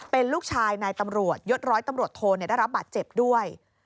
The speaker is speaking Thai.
เป็นลูกชายนายตำรวจยศร้อยตำรวจโทได้รับบาดเจ็บด้วย